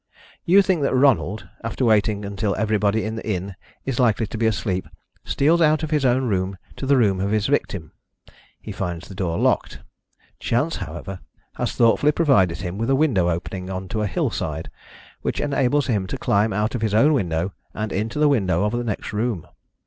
You think that Ronald, after waiting until everybody in the inn is likely to be asleep, steals out of his own room to the room of his victim. He finds the door locked. Chance, however, has thoughtfully provided him with a window opening on to a hillside, which enables him to climb out of his own window and into the window of the next room.